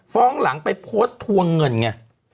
ฟ้องหลังไปโพสต์ถั่วเงินไง